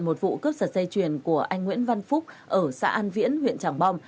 một vụ cướp giật dây chuyền của anh nguyễn văn phúc ở xã an viễn huyện tràng bom